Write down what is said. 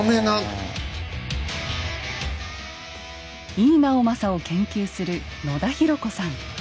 井伊直政を研究する野田浩子さん。